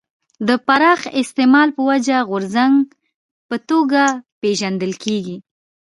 د پراخ استعمال په وجه غورځنګ په توګه پېژندل کېږي.